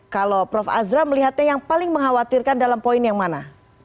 kalau prof azra melihatnya yang paling mengkhawatirkan dalam poin yang mana